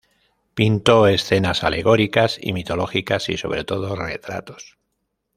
Pintó escenas alegóricas y mitológicas, y sobre todo retratos.